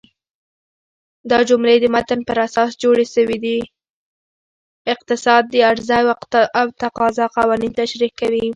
اقتصاد د عرضه او تقاضا قوانین تشریح کوي.